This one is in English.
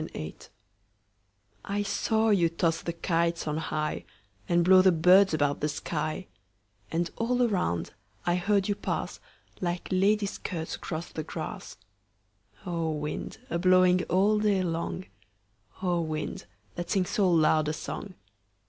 26. The Wind I SAW you toss the kites on highAnd blow the birds about the sky; And all around I heard you pass, Like ladies' skirts across the grass—O wind, a blowing all day long,O wind, that sings so loud a song!